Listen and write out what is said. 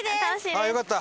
ああよかった。